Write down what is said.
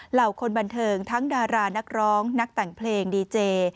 เหล่าคนบันเทิงทั้งดารานักร้องนักแต่งเพลงดีเจ